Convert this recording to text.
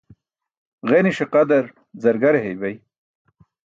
Ġeniṣe qadar zargare heybay.